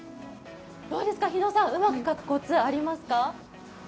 日野さん、うまく描くコツありますか？